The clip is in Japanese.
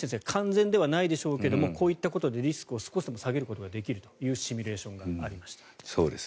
完全ではないでしょうけどこういったことでリスクを少しでも下げることができるというシミュレーションがありました。